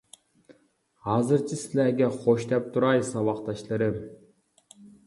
ھازىرچە سىلەرگە خوش دەپ تۇراي ساۋاقداشلىرىم.